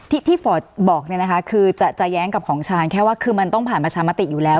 ที่ฟอร์ตบอกคือจะแย้งกับของชาญแค่ว่ามันต้องผ่านประชามติอยู่แล้ว